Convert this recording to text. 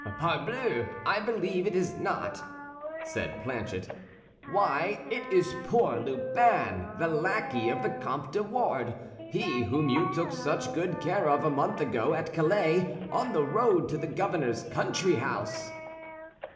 "Parbleu, I believe it is not," said Planchet. "Why, it is poor Lubin, the lackey of the Comte de Wardes—he whom you took such good care of a month ago at Calais, on the road to the governor's country house!"